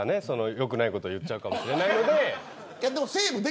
よくないこと言っちゃうかもしれないので。